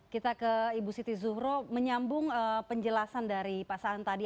kita ke ibu siti zuhro menyambung penjelasan dari pak saan tadi